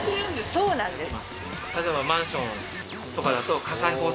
そうなんです。